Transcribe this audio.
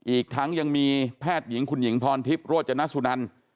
อีกทั้งยังมีแพทย์หญิงคุณหญิงพรทิพย์โรจนสุนัน